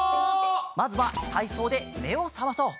まずはたいそうでめをさまそう。